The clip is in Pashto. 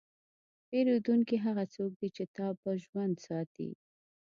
پیرودونکی هغه څوک دی چې تا په ژوند ساتي.